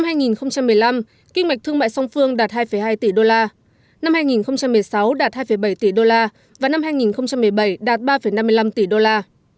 năm hai nghìn một mươi năm kinh mạch thương mại song phương đạt hai hai tỷ đô la năm hai nghìn một mươi sáu đạt hai bảy tỷ đô la và năm hai nghìn một mươi bảy đạt ba năm mươi năm tỷ đô la